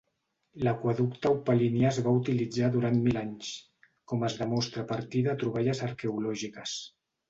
L'Aqüeducte Eupalinià es va utilitzar durant mil anys, com es demostra a partir de troballes arqueològiques.